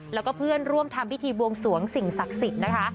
แล้วก็เพื่อนร่วมทำพิธีบวงสวงสิ่งศักดิ์สิทธิ์นะคะ